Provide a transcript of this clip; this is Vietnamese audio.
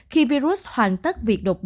khi virus hoàn tất